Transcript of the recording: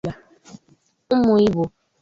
Ụmụ Igbo